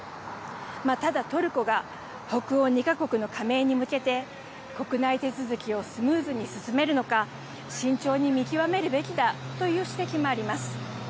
ただトルコが、北欧２か国の加盟に向けて、国内手続きをスムーズに進めるのか、慎重に見極めるべきだという指摘もあります。